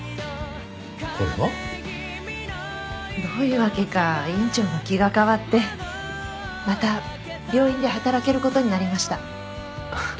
これは？どういうわけか院長の気が変わってまた病院で働ける事になりました。